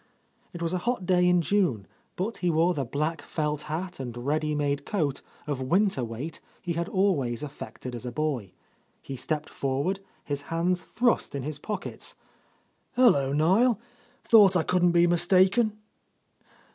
It was a hot day in June, but he wore the black felt hat and ready made coat of winter weight he had always affected as a boy. He stepped forward, his hands thrust in his pockets. "Hullo, Niel. Thought I couldn't be mis taken."